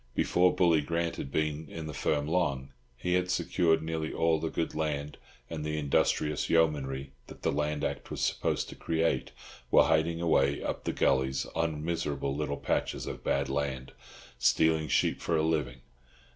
Before Bully Grant had been in the firm long, he had secured nearly all the good land, and the industrious yeomanry that the Land Act was supposed to create were hiding away up the gullies on miserable little patches of bad land, stealing sheep for a living.